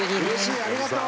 ありがとう！